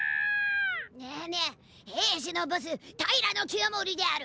ねえねえ平氏のボス平清盛である。